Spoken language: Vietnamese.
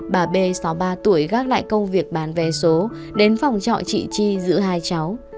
bà b sáu mươi ba tuổi gác lại công việc bán vé số đến phòng trọ chị chi giữa hai cháu